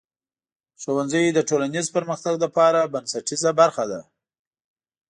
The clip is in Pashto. ښوونځی د ټولنیز پرمختګ لپاره بنسټیزه برخه ده.